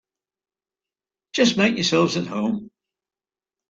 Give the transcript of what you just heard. Just make yourselves at home.